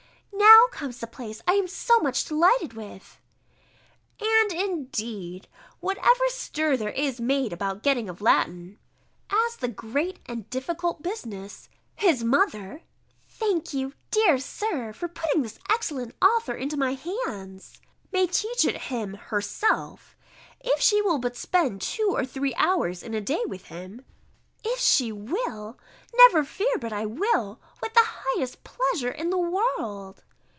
[Now comes the place I am so much delighted with!] "And indeed, whatever stir there is made about getting of Latin, as the great and difficult business, his mother" [thank you, dear Sir, for putting this excellent author into my hands!] "may teach it him herself, if she will but spend two or three hours in a day with him," [_If she will! Never fear, but I will, with the highest pleasure in the world!